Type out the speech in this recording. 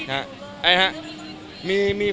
คุณพลอยก็เป็นอะไรอย่างนี้ครับ